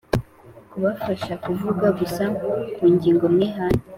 Kubafasha kuvuga gusa ku ngingo mwihaye